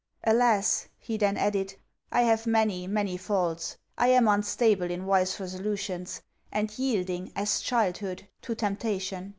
'Alas,' he then added, 'I have many many faults! I am unstable in wise resolutions; and yielding, as childhood, to temptation.